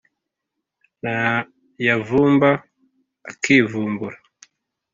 nayavumba akivumbura